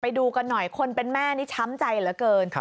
ไปดูกันหน่อยคนเป็นแม่นี่ช้ำใจเหลือเกิน